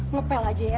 ngepel aja ya